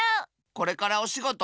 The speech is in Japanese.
これからおしごと？